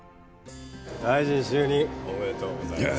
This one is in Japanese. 大臣就任おめでとうございます。